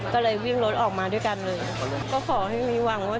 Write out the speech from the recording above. จึงไม่ได้เอดในแม่น้ำ